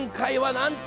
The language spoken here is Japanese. なんと！